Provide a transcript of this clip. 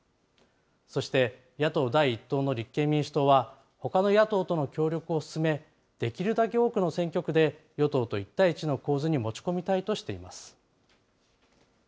そして、野党第１党の立憲民主党は、ほかの野党との協力を進め、できるだけ多くの選挙区で与党と１対１の構図に持ち込みたいとしています。